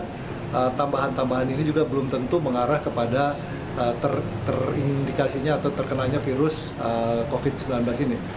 dan tambahan tambahan ini juga belum tentu mengarah kepada terindikasinya atau terkenanya virus covid sembilan belas ini